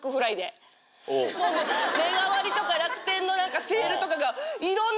メガ割とか楽天のセールとかが。